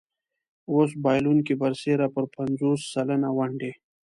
اوس بایلونکی برسېره پر پنځوس سلنه ونډې.